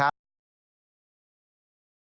โปรดติดตามตอนต่อไป